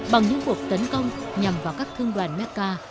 bằng những cuộc tấn công nhằm vào các thương đoàn mecca